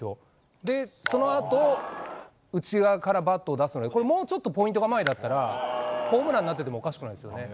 で、そのあと、内側からバットを出すので、これ、もうちょっとポイントが前だったら、ホームランになっててもおかしくないですよね。